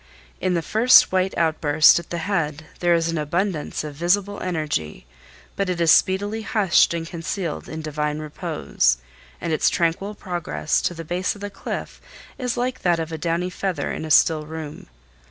In the first white outburst at the head there is abundance of visible energy, but it is speedily hushed and concealed in divine repose, and its tranquil progress to the base of the cliff is like that of a downy feather in a still room.